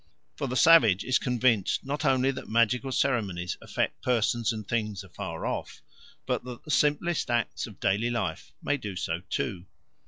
For the savage is convinced not only that magical ceremonies affect persons and things afar off, but that the simplest acts of daily life may do so too.